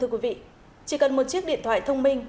thưa quý vị chỉ cần một chiếc điện thoại thông minh